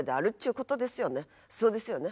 そうですよね。